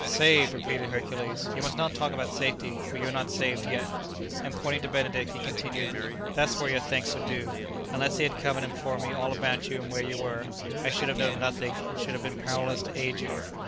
"Saved!" repeated Hercules, "you must not talk about safety, for you are not saved yet." And pointing to Benedict, he continued, "That's where your thanks are due; unless he had come and informed me all about you and where you were, I should have known nothing, and should have been powerless to aid you."